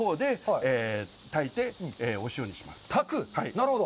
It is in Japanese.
なるほど。